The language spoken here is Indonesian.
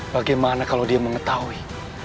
bagaimana kalau dia mengetahui